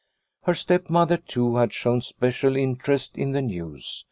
Her stepmother, too, had shown special interest in the news.